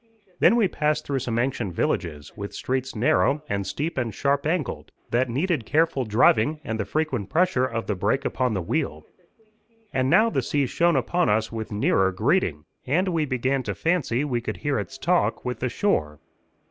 Then we passed through some ancient villages, with streets narrow, and steep and sharp angled, that needed careful driving and the frequent pressure of the break upon the wheel. And now the sea shone upon us with nearer greeting, and we began to fancy we could hear its talk with the shore.